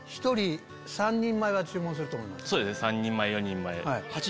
そうですね３人前４人前。